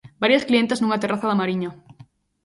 Varias clientas nunha terraza da Mariña.